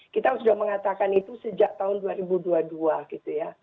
kita sudah mengatakan itu sejak tahun dua ribu dua puluh dua gitu ya